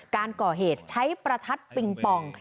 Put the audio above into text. การก่อเหตุใช้ประทัดปิงปอง